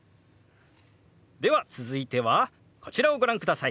では続いてはこちらをご覧ください。